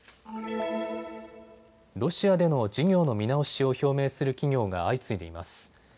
ロシアでの事業の見直しを表明する企業が相次いでいます。